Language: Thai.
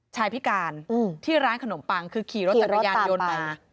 พิการที่ร้านขนมปังคือขี่รถจักรยานยนต์มา